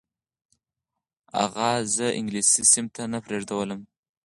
اغا زه انګلیسي صنف ته نه پرېښودلم.